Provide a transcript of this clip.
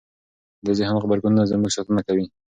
د ذهن غبرګونونه زموږ ساتنه کوي.